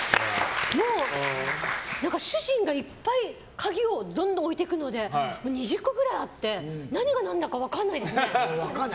主人がいっぱい鍵をどんどん置いていくので２０個ぐらいあって何が何だか分かんないですね。